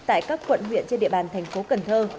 tại các quận huyện trên địa bàn thành phố cần thơ